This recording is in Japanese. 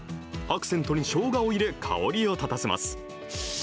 アクセントにショウガを入れ、香りを立たせます。